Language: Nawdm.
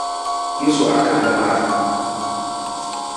Jesu akantamar.